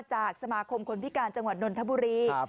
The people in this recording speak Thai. จากสมาคมคนพิการจังหวัดนนทบุรี